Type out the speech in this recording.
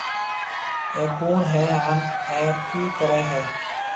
اَي ڪوُڻ هيَ هانَ اَي ڪِي ڪريَ هيَ۔